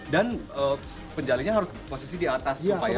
dan penjalinnya harus posisi di atas supaya lebih